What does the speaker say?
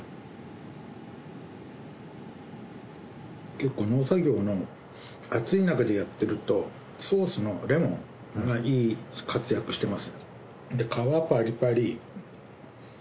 結構農作業の暑いなかでやってるとソースのレモンがいい活躍してますね。